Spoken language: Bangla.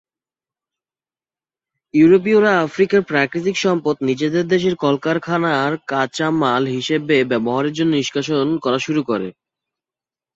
ইউরোপীয়রা আফ্রিকার প্রাকৃতিক সম্পদ নিজেদের দেশের কলকারখানায় কাঁচামাল হিসেবে ব্যবহারের জন্য নিষ্কাশন করা শুরু করে।